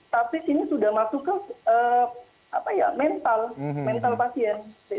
tapi ini sudah masuk ke mental pasien